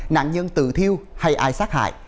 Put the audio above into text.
nạn nhân tự thiêu hay ai sát hại